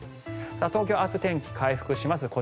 東京、明日、天気回復します。